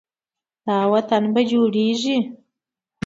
دا وطن به جوړیږي.